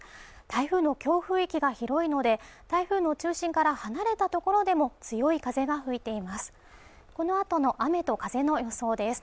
台風の強風域が広いので台風の中心から離れた所でも強い風が吹いています